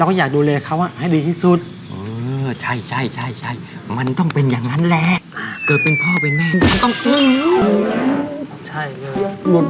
เอ้าไอ้ปลอยกับไอ้เยี่ยมบ้านเนี้ยไปทำงานกรุงเทพมันยังไงบ้างลูก